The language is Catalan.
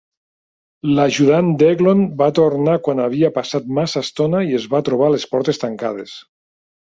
L'ajudant d'Eglon va tornar quan havia passat massa estona i es va trobar les portes tancades.